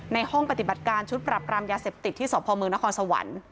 ห้องปฏิบัติการชุดปรับรามยาเสพติดที่สพมนครสวรรค์